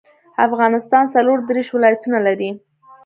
افغانستان څلور ديرش ولايتونه لري